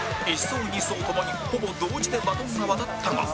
１走２走ともにほぼ同時でバトンが渡ったが